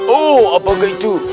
oh apakah itu